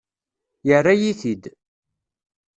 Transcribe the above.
Yerra-yi-t-id.